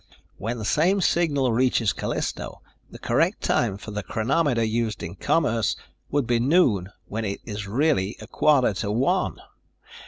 When the same signal reaches Callisto, the correct time for the chronometer used in commerce would be noon when it is really a quarter to one.